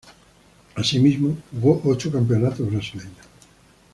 Asimismo, jugó ocho campeonatos brasileños.